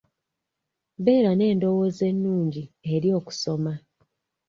Beera n'endowooza ennungi eri okusoma.